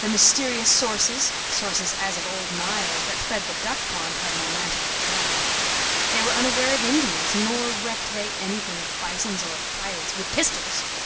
The mysterious sources sources as of old Nile that fed the duck pond had no magic for them. They were unaware of Indians, nor recked they anything of bisons or of pirates (with pistols!)